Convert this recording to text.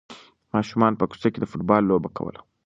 ماشومانو په کوڅه کې د فوټبال لوبه کوله.